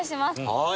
はい。